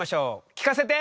聞かせて！